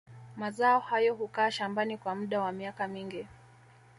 Mazao hayo hukaa shambani kwa muda wa miaka mingi